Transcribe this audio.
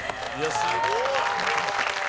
すごい！